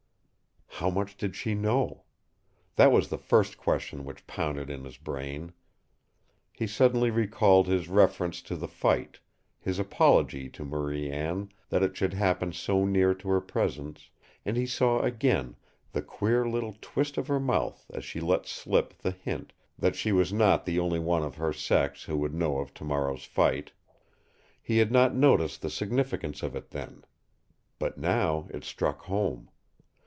How much did she know? That was the first question which pounded in his brain. He suddenly recalled his reference to the fight, his apology to Marie Anne that it should happen so near to her presence, and he saw again the queer little twist of her mouth as she let slip the hint that she was not the only one of her sex who would know of tomorrow's fight. He had not noticed the significance of it then. But now it struck home.